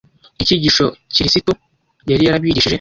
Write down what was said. icyigisho Kirisito yari yarabigishije